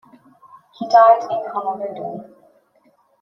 He died in Honolulu.